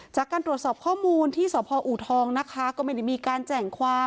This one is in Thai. จากการตรวจสอบข้อมูลที่สพอูทองนะคะก็ไม่ได้มีการแจ้งความ